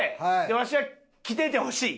わしは着ててほしい。